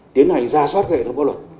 tiến hành ra soát cái hệ thống pháp luật